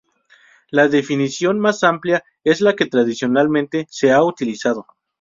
La definición más amplia es la que tradicionalmente se ha utilizado.